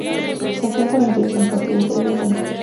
Se enfrentan entre ellos en partidos de ida y vuelta.